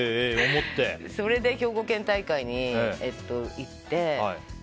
それで兵庫県大会に行って。